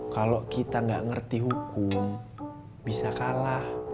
kalau kita nggak ngerti hukum bisa kalah